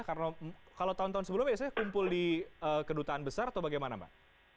karena kalau tahun tahun sebelum biasanya kumpul di kedutaan besar atau bagaimana mbak